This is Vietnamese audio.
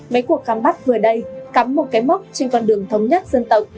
mấy cuộc khám bắt vừa đây cắm một cái mốc trên con đường thống nhất dân tộc